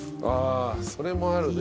それもあるね。